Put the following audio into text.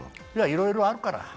いろいろあるから。